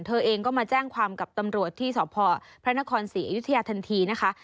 เธอเองก็มาแจ้งความกับตำรวจที่สพพระนครศรีอยุธยาทันทีนะคะ